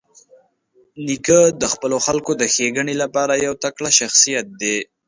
نیکه د خپلو خلکو د ښېګڼې لپاره یو تکړه شخصیت دی.